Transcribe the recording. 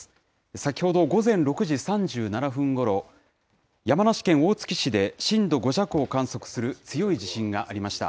先ほど午前６時３７分ごろ、山梨県大月市で震度５弱を観測する強い地震がありました。